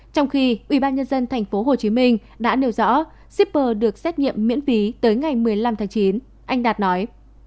trong khi ubnd tp hcm đã nêu rõ shipper được xét nghiệm miễn phí tới ngày một mươi năm tháng chín anh đạt nói